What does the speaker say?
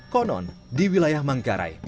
konon di wilayah manggarai